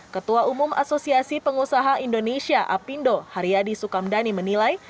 ketua umum asosiasi pengusaha indonesia apindo haryadi sukamdhani menilai